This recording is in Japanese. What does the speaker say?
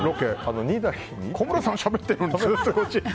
小室さんしゃべってるのに。